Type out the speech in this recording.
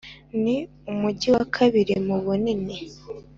Ni umugi wa kabiri mu bunini